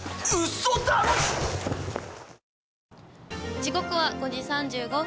時刻は５時３５分。